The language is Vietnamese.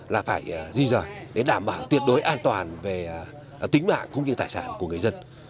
là phải di rời để đảm bảo tuyệt đối an toàn về tính mạng cũng như tài sản của người dân